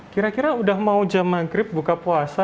kira kira udah mau jam maghrib buka puasa